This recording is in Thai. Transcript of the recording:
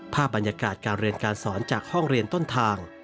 ภาพบรรยากาศการเรียนการสอนจากห้องเรียนต้นทาง